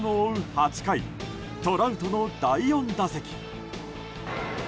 ８回トラウトの第４打席。